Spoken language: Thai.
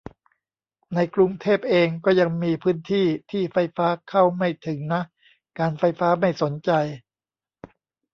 ในกรุงเทพเอง ก็ยังมีพื้นที่ที่ไฟฟ้าเข้าไม่ถึงนะ การไฟฟ้าไม่สนใจ